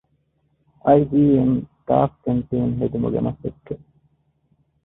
އައި.ޖީ.އެމް ސްޓާފް ކެންޓީން ހެދުމުގެ މަސައްކަތް